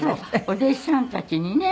お弟子さんたちにね。